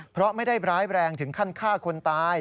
เพราะไม่ได้ร้ายแรงถึงขั้นฆ่าคนตาย